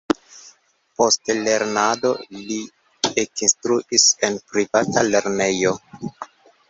Post lernado li ekinstruis en privata lernejo.